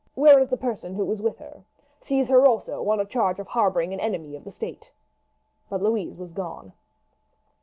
Where is the person who was with her? Seize her also on a charge of harbouring an enemy of the state!" But Louise was gone.